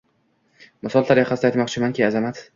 Misol tariqasida aytmoqchimanki, Azamat